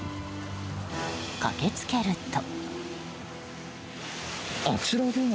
駆けつけると。